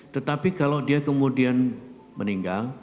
tetapi kalau dia kemudian meninggal